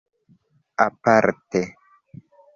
aparte